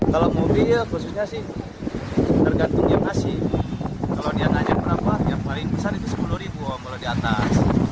kalau mobil khususnya sih tergantung yang masih kalau dia nanya berapa yang paling besar itu sepuluh ribu om kalau di atas